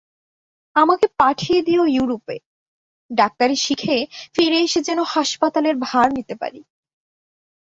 আমাকে পাঠিয়ে দিয়ো য়ুরোপে, ডাক্তারি শিখে ফিরে এসে যেন হাঁসপাতালের ভার নিতে পারি।